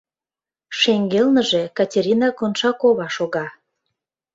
Шеҥгелныже Катерина Коншакова шога.